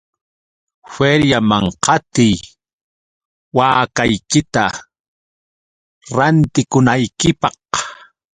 Feriaman qatiy waakaykita rantikunaykipaq.